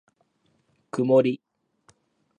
くもり